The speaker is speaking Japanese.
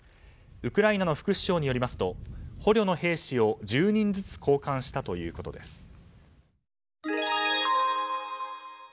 ウクライナの副首相によりますと捕虜の兵士を１０人ずつ交換したということです。